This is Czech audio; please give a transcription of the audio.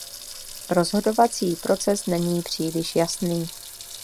Rozhodovací proces není příliš jasný.